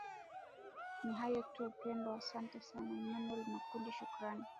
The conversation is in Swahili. ni hayo tu pendo asante sana emanuel makundi shukran